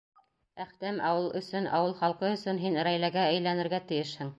Әхтәм, ауыл өсөн, ауыл халҡы өсөн һин Рәйләгә әйләнергә тейешһең.